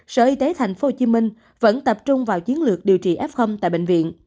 sở y tế tp hcm vẫn tập trung vào chiến lược điều trị f tại bệnh viện